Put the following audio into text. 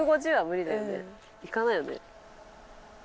いかないよね。